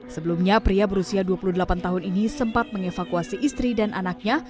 sebelumnya pria berusia dua puluh delapan tahun ini sempat mengevakuasi istri dan anaknya